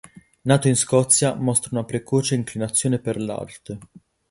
Nato in Scozia, mostra una precoce inclinazione per l'arte.